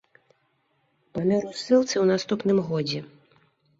Памёр у ссылцы ў наступным годзе.